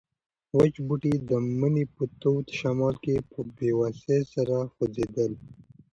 وچ بوټي د مني په تود شمال کې په بې وسۍ سره خوځېدل.